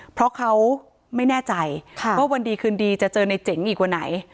เพราะเขาไม่แน่ใจว่าวันดีคืนดีจะเจอในเจ๋งอีกวันไหน